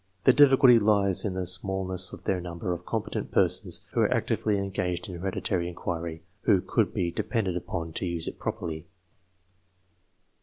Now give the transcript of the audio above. The difficulty lies in the smallness of the number of competent persons who are actively engaged in hereditary inquiry, who could be de pended upon to use it properly.